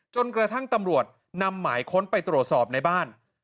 จนกระทั่งตำรวจนำหมายค้นไปตรวจสอบในบ้าน